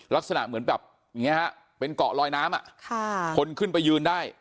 ลักษณะเหมือนแบบอย่างนี้ฮะเป็นเกาะลอยน้ำคนขึ้นไปยืนได้